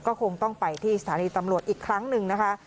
ก็คงต้องไปที่สถานีตำรวจอีกครั้งหนึ่งนะคะ